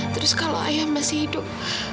terus kalau ayah masih hidup